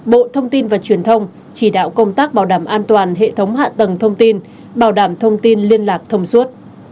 bộ thông tin và truyền thông chỉ đạo công tác bảo đảm an toàn hệ thống hạ tầng thông tin bảo đảm thông tin liên lạc thông suốt